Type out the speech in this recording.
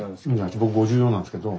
僕５４なんですけど。